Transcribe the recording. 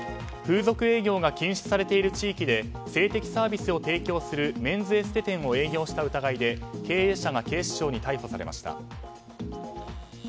風俗営業が禁止されている地域で性的サービスを提供するメンズエステ店を営業した疑いで経営者が警視庁に逮捕されました。